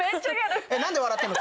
えっ何で笑ってんの？